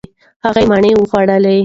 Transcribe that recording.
هغې مڼې وخوړلې.